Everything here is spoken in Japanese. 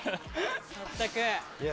全く。